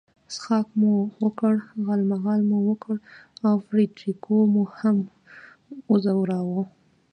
څښاک مو وکړ، غالمغال مو وکړ او فرېډریکو مو هم وځوراوه.